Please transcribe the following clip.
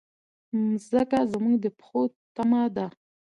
مځکه زموږ د پښو تمه ده.